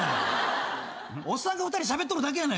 おっさんが２人しゃべっとるだけやないか。